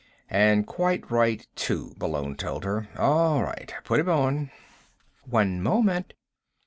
"And quite right, too," Malone told her. "All right. Put him on." "One moment."